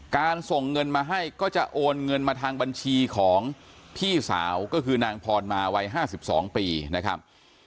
การส่งเงินมาให้ก็จะโอนเงินมาทางบัญชีของพี่สาวก็คือนางพรมาวัย๕๒ปีนะครับ